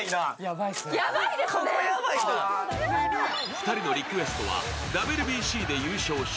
２人のリクエストはＷＢＣで優勝し、